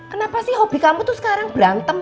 kenapa sih hobi kamu tuh sekarang berantem